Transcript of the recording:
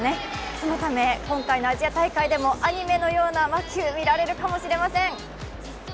そのため今回のアジア大会でもアニメのような魔球、見られるかもしれません。